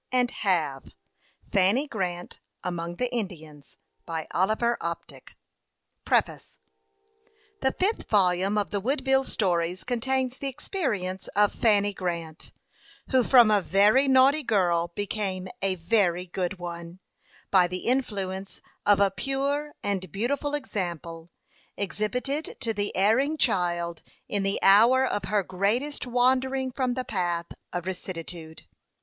3. WATCH AND WAIT. 4. WORK AND WIN. 5. HOPE AND HAVE. 6. HASTE AND WASTE. PREFACE. The fifth volume of the Woodville stories contains the experience of Fanny Grant, who from a very naughty girl became a very good one, by the influence of a pure and beautiful example, exhibited to the erring child in the hour of her greatest wandering from the path of rectitude.